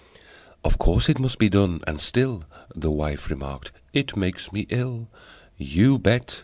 "Of course it must be done, and still," The wife remarked, "it makes me ill." "You bet!"